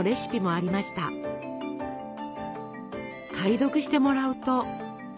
解読してもらうと。